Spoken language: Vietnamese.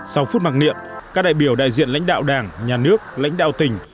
sau phút mặc niệm các đại biểu đại diện lãnh đạo đảng nhà nước lãnh đạo tỉnh